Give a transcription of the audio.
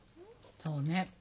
そうね。